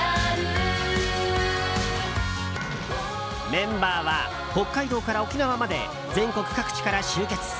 メンバーは北海道から沖縄まで全国各地から集結。